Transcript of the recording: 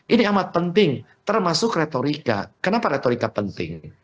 ini amat penting termasuk retorika kenapa retorika penting